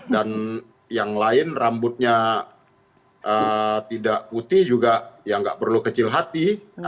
yang lain rambutnya tidak putih juga ya nggak perlu kecil hati